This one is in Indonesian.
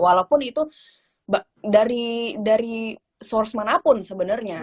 walaupun itu dari source manapun sebenarnya